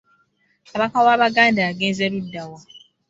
Kabaka w'Abaganda agenze ludda wa?